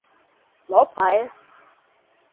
Mó paia